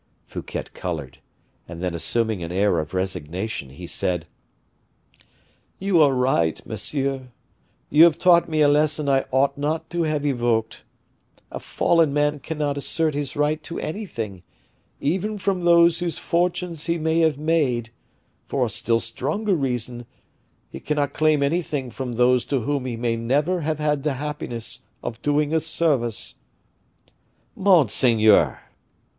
Fouquet colored, and then assuming an air of resignation, he said: "You are right, monsieur; you have taught me a lesson I ought not to have evoked. A fallen man cannot assert his right to anything, even from those whose fortunes he may have made; for a still stronger reason, he cannot claim anything from those to whom he may never have had the happiness of doing a service." "Monseigneur!"